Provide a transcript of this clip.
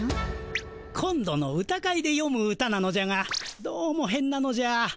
今度の歌会でよむ歌なのじゃがどうもへんなのじゃ。